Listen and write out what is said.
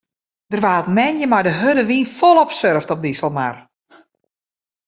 Der waard moandei mei de hurde wyn folop surft op de Iselmar.